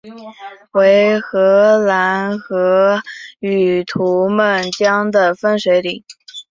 为海兰河与图们江的分水岭。